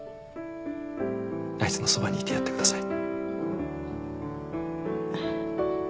あいつのそばにいてやってください。